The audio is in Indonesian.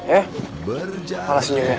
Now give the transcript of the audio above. eh alah senyumnya